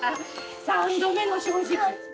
三度目の正直。